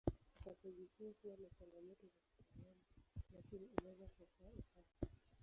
Upasuaji huo huwa na changamoto za kitaalamu lakini inaweza kuokoa uhai.